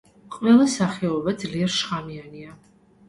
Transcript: ყველა სახეობა ძლიერ შხამიანია.